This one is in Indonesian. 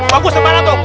bagus tempatnya tuh